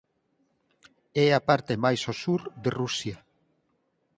É a parte máis ao sur de Rusia.